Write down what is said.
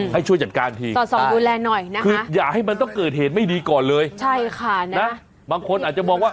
ให้ช่วยจัดการทีค่ะคืออย่าให้มันต้องเกิดเหตุไม่ดีก่อนเลยนะบางคนอาจจะมองว่า